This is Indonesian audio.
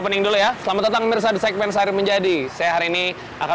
pening dulu ya selamat datang mirza segmen sehari menjadi sehari ini akan